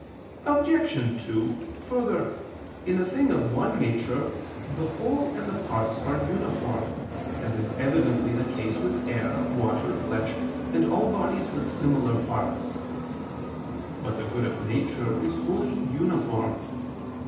Obj. 2: Further, in a thing of one nature, the whole and the parts are uniform, as is evidently the case with air, water, flesh and all bodies with similar parts. But the good of nature is wholly uniform.